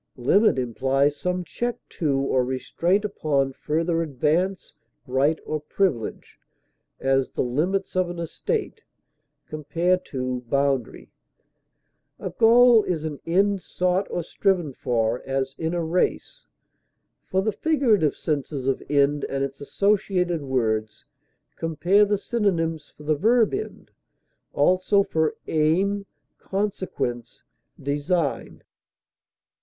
Limit implies some check to or restraint upon further advance, right, or privilege; as, the limits of an estate (compare BOUNDARY). A goal is an end sought or striven for, as in a race. For the figurative senses of end and its associated words, compare the synonyms for the verb END; also for AIM; CONSEQUENCE; DESIGN.